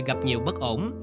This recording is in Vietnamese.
gặp nhiều bất ổn